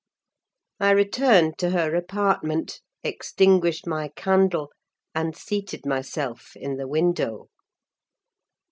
I returned to her apartment, extinguished my candle, and seated myself in the window.